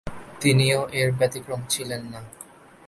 তিনিও এর ব্যতিক্রম ছিলেন না।